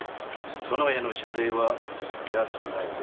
殿への謝礼は安くないぞ？